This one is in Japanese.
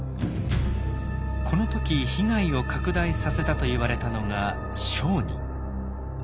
この時被害を拡大させたといわれたのが商人。